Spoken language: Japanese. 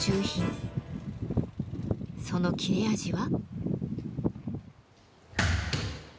その切れ味は？